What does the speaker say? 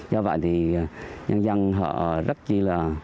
do vậy thì nhân dân họ rất chi là